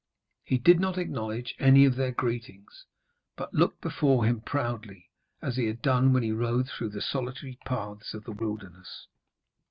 He did not acknowledge any of their greetings, but looked before him proudly, as he had done when he rode through the solitary paths of the wilderness.